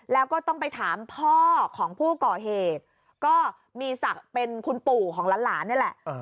แล้วก็ต้องไปถามพ่อของผู้ก่อเหตุก็มีศักดิ์เป็นคุณปู่ของหลานนี่แหละ